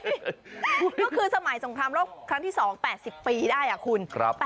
ก็คือสมัยสงครามโลกครั้งที่๒๘๐ปีได้คุณ